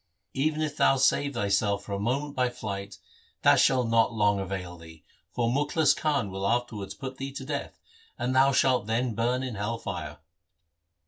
Even if thou save thyself for a moment by flight, that shall not long avail thee, for Mukhlis Khan will afterwards put thee to death, and thou shalt then burn in hell fire.'